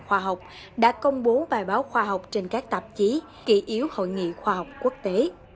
khoa học đã công bố bài báo khoa học trên các tạp chí kỷ yếu hội nghị khoa học quốc tế